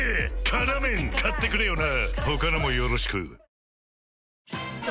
「辛麺」買ってくれよな！